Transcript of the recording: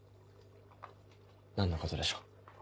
何のことでしょう？